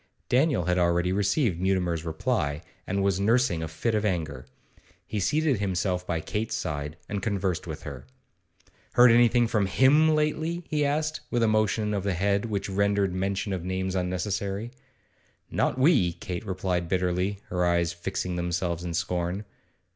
Daniel had already received Mutimer's reply, and was nursing a fit of anger. He seated himself by Kate's side, and conversed with her. 'Heard anything from him lately?' he asked, with a motion of the head which rendered mention of names unnecessary. 'Not we,' Kate replied bitterly, her eyes fixing themselves in scorn.